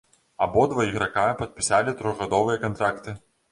Абодва іграка падпісалі трохгадовыя кантракты.